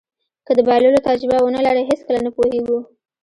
که د بایللو تجربه ونلرئ هېڅکله نه پوهېږو.